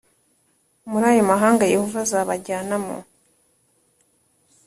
muri ayo mahanga Yehova azabajyanamo.